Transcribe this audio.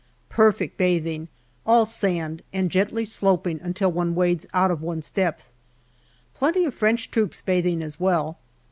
Perfect bathing, all sand, and gently sloping until one wades out of one's depth. Plenty of French troops bathing as well.